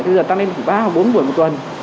bây giờ tăng lên khoảng ba bốn buổi một tuần